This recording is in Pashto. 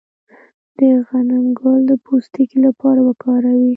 د غنم ګل د پوستکي لپاره وکاروئ